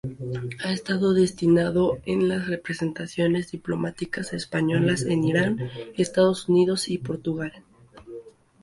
Ha estado destinado en las representaciones diplomáticas españolas en Irán, Estados Unidos y Portugal.